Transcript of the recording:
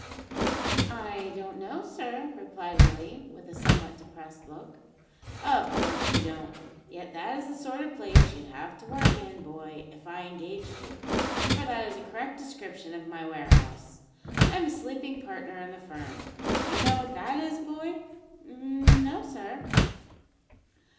"I don't know, sir," replied Willie, with a somewhat depressed look. "Of course you don't, yet that is the sort of place you'd have to work in, boy, if I engaged you, for that is a correct description of my warehouse. I'm a sleeping partner in the firm. D'ye know what that is, boy?" "No, sir."